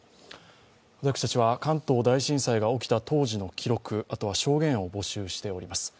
私たちは関東大震災が起きた当時の記録、あとは証言を募集しております。